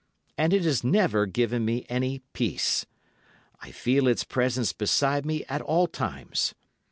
And it has never given me any peace. I feel its presence beside me at all times.